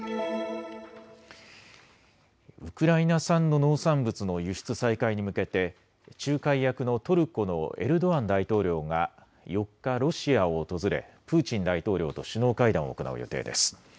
ウクライナ産の農産物の輸出再開に向けて仲介役のトルコのエルドアン大統領が４日、ロシアを訪れプーチン大統領と首脳会談を行う予定です。